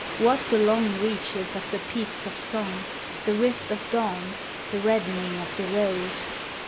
What the long reaches of the peaks of song, The rift of dawn, the reddening of the rose